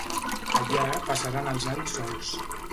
Allà passaran els anys sols.